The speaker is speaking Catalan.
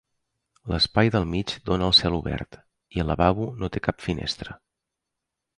L'espai del mig dona al celobert i el lavabo no té cap finestra.